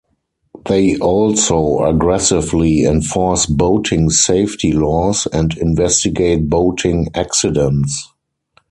They also aggressively enforce boating safety laws and investigate boating accidents.